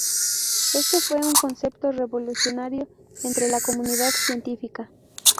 Este fue un concepto revolucionario entre la comunidad científica.